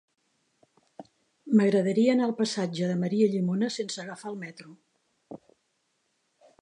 M'agradaria anar al passatge de Maria Llimona sense agafar el metro.